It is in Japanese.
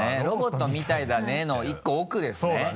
「ロボットみたいだね」の１個奥ですね。